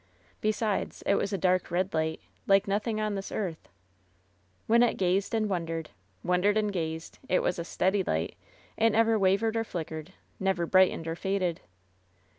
Besides, it was a dark, red light, like nothing on this earth. Wynnette gazed and wondered — ^wondered and gazed. It was a steady light; it never wavered or flickered, never brightened or faded.